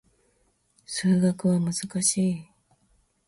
数学は難しい